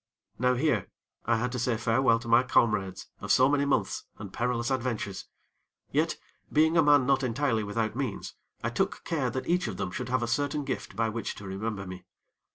Now here, I had to say farewell to my comrades of so many months and perilous adventures; yet, being a man not entirely without means, I took care that each of them should have a certain gift by which to remember me.